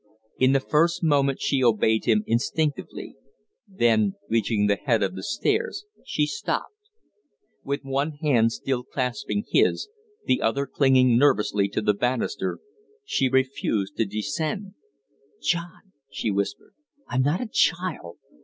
In the first moment she obeyed him instinctively; then, reaching the head of the stairs, she stopped. With one hand still clasping his, the other clinging nervously to the banister, she refused to descend. "John," she whispered, "I'm not a child.